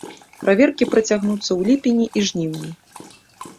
Праверкі працягнуцца ў ліпені і жніўні.